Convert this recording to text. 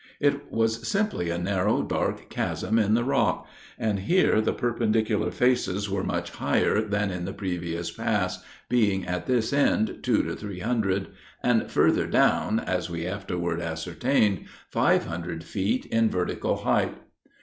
It was simply a narrow, dark chasm in the rock; and here the perpendicular faces were much higher than in the previous pass, being at this end two to three hundred, and further down, as we afterward ascertained, five hundred feet in vertical height.